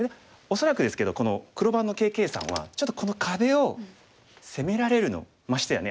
恐らくですけどこの黒番のＫ．Ｋさんはちょっとこの壁を攻められるのをましてやね